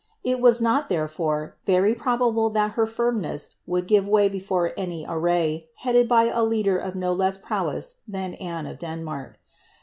It was not, therefore, very probable that her firmness would give way before any array, headed by a leader of no greater prowess than Anne of Denmark.